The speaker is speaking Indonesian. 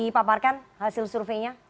paparkan hasil surveinya